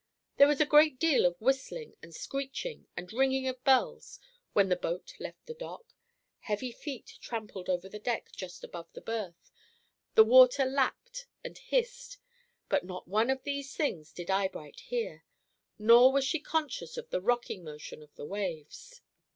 There was a great deal of whistling and screeching and ringing of bells when the boat left her dock, heavy feet trampled over the deck just above the berth, the water lapped and hissed; but not one of these things did Eyebright hear, nor was she conscious of the rock ing motion of the waves.